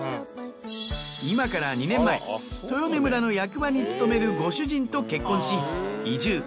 今から２年前豊根村の役場に勤めるご主人と結婚し移住。